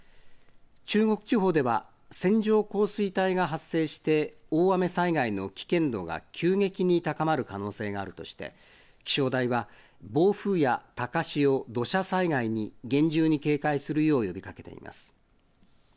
中国地方では線状降水帯が発生して大雨災害の危険度が急激に高まる可能性があるとして、気象台は、暴風や高潮、土砂災害に厳重に警戒するよう呼びかけています。